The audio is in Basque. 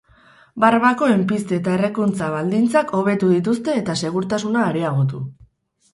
Barbakoen pizte eta errekuntza baldintzak hobetu dituzte eta segurtasuna areagotu.